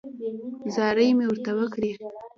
زارۍ مې ورته وکړې.